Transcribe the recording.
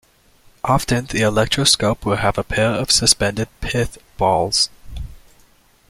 Often the electroscope will have a pair of suspended pith balls.